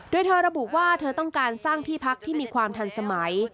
โดยเธอระบุว่าเธอต้องการสร้างที่พักที่มีความทันสมัย